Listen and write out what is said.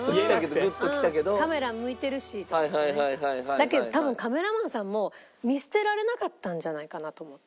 だけど多分カメラマンさんも見捨てられなかったんじゃないかなと思って。